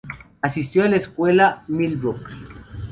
Asistió a la Escuela Millbrook.